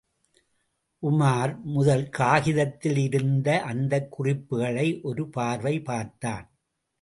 உமார், முதல் காகிதத்தில் இருந்த அந்தக் குறிப்புகளை ஒரு பார்வை பார்த்தான்.